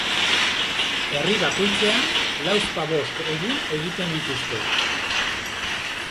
Herri bakoitzean lauzpabost egun egiten dituzte.